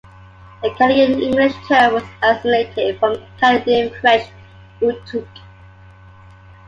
The Canadian-English term was assimilated from Canadian-French "tuque".